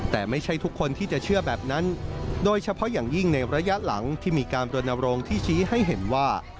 แต่ไม่ใช่ทุกคนที่จะเชื่อแบบนั้นโดยเฉพาะอย่างยิ่งในระยะหลังที่มีการรณรงค์ที่ชี้ให้เห็นว่า